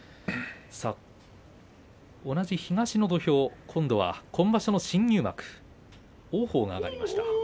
同じ東の土俵、今度は今場所の新入幕、王鵬が上がりました。